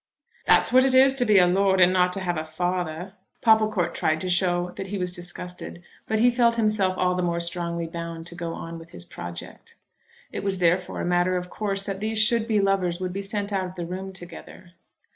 "That's what it is to be a lord and not to have a father." Popplecourt tried to show that he was disgusted; but he felt himself all the more strongly bound to go on with his project. It was therefore a matter of course that these should be lovers would be sent out of the room together.